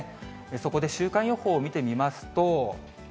そこで週間予報を見てみますと。